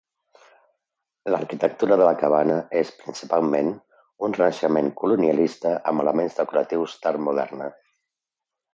L'arquitectura de la cabana és principalment un renaixement colonialista amb elements decoratius d'Art Moderne.